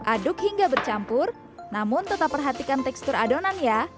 aduk hingga bercampur namun tetap perhatikan tekstur adonannya